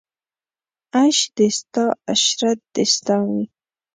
عیش دې ستا عشرت دې ستا وي